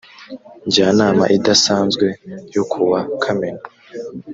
njyanama idasanzwe yo ku wa kamena